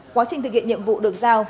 quá trình thực hiện nhiệm vụ được giao